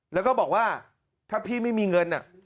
แล้วก็บอกว่าถ้าพี่ไม่มีเงิน